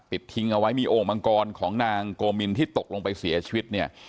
ติดทิ้งเอาไว้มีโอ่งมังกรของนางโกมินที่ตกลงไปเสียชีวิตเนี่ย